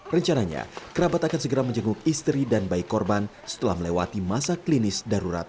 rencananya kerabat akan segera menjenguk istri dan bayi korban setelah melewati masa klinis darurat